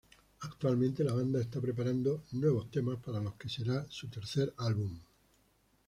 Actualmente la banda está preparando nuevos temas para lo que será su tercer álbum.